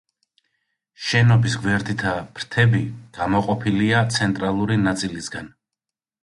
შენობის გვერდითა ფრთები გამოყოფილია ცენტრალური ნაწილისგან.